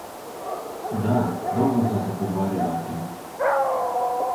Da, dolgo sva se pogovarjala o tem.